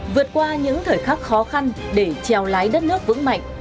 vượt qua những thời khắc khó khăn để treo lái đất nước vững mạnh